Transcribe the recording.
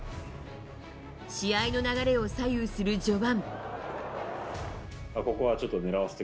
試合の流れを左右する序盤。